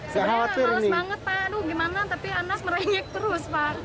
sebenarnya males banget pak aduh gimana tapi anas merenyek terus pak